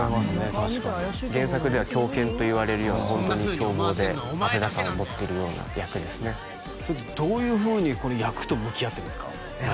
確かに原作では狂犬といわれるようなホントに凶暴で危なさを持ってるような役ですねどういうふうにこの役と向き合ってるんですか？